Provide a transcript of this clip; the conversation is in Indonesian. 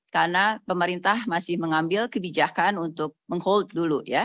karena pemerintah masih mengambil kebijakan untuk meng hold dulu ya